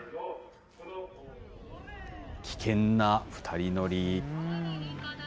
危険な２人乗り。